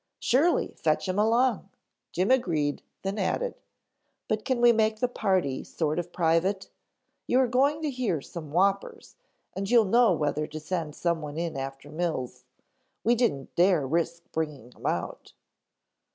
"Surely, fetch him along," Jim agreed, then added, "But can we make the party sort of private! You are going to hear some whoppers and you'll know whether to send someone in after Mills. We didn't dare risk bringing him out."